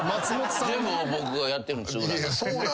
全部僕がやってるんです裏で。